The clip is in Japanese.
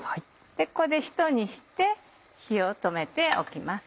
ここでひと煮して火を止めておきます。